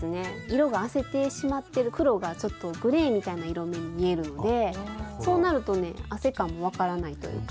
色があせてしまってる黒がちょっとグレーみたいな色目に見えるのでそうなるとね汗感もわからないというか。